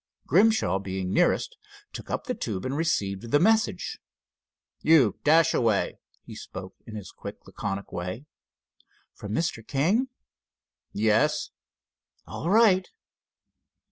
Grimshaw being nearest, took up the tube and received the message. "You, Dashaway," he spoke in his quick, laconic way. "From Mr. King?" "Yes." "All right."